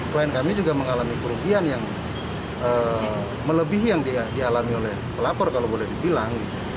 klien kami juga mengalami kerugian yang melebihi yang dialami oleh pelapor kalau boleh dibilang